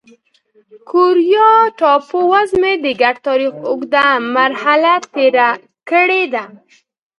کوریا ټاپو وزمې د ګډ تاریخ اوږده مرحله تېره کړې ده.